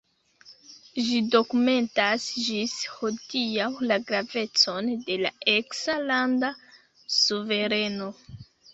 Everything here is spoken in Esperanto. Ĝi dokumentas ĝis hodiaŭ la gravecon de la eksa landa suvereno.